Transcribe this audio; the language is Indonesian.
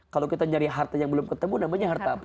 kalau kita nyari harta yang belum ketemu namanya harta apa